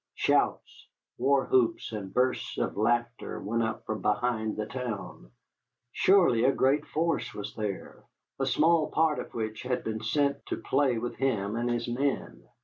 Shouts, war whoops, and bursts of laughter went up from behind the town. Surely a great force was there, a small part of which had been sent to play with him and his men.